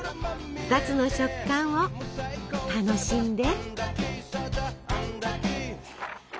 ２つの食感を楽しんで。